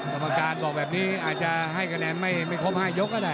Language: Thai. กรรมการบอกแบบนี้อาจจะให้คะแนนไม่ครบ๕ยกก็ได้